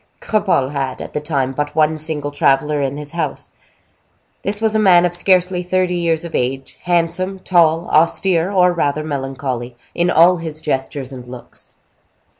Cropole had, at the time, but one single traveler in his house. This was a man of scarcely thirty years of age, handsome, tall, austere, or rather melancholy, in all his gestures and looks.